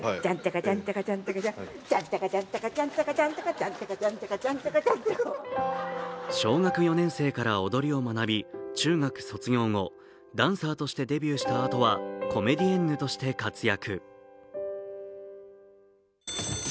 チャンチャカチャンチャカ小学４年生から踊りを学び、中学卒業後、ダンサーとしてデビューしたあとはコメディエンヌとして活躍。